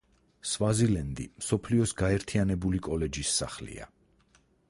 სვაზილენდი მსოფლიოს გაერთიანებული კოლეჯის სახლია.